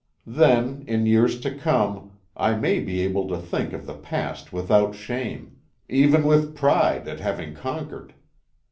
Then in years to come I may be able to think of the past without shame, even with pride at having conquered.